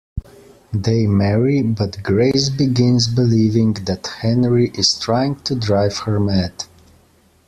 They marry, but Grace begins believing that Henry is trying to drive her mad.